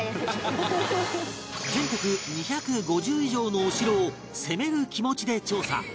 全国２５０以上のお城を攻める気持ちで調査